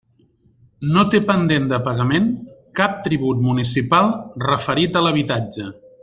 No té pendent de pagament cap tribut municipal referit a l'habitatge.